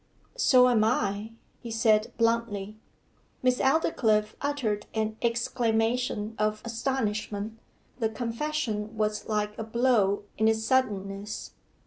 'So am I,' he said bluntly. Miss Aldclyffe uttered an exclamation of astonishment; the confession was like a blow in its suddenness.